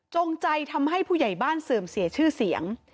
ใจทำให้ผู้ใหญ่บ้านเสื่อมเสียชื่อเสียง